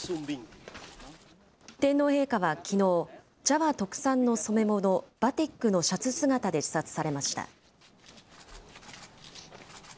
天皇陛下はきのう、ジャワ特産の染め物、バティックのシャツ姿で視察されました。